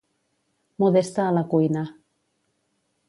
Modesta a la cuina.